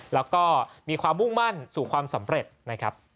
แล้วก็มีความมุ่งมั่นสู่ความสำเร็จนะครับ